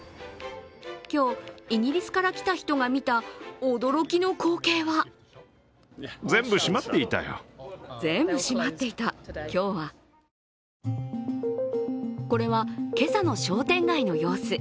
今日、イギリスから来た人が見た驚きの光景はこれは、今朝の商店街の様子。